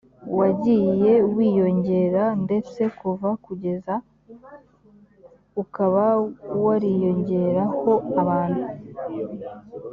wagiye wiyongera ndetse kuva kugeza ukaba wariyongereho abantu